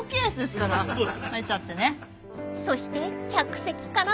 ［そして客席からは］